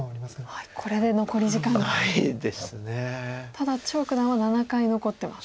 ただ張栩九段は７回残ってます。